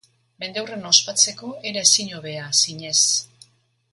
Mendeurrena ospatzeko era ezin hobea, zinez.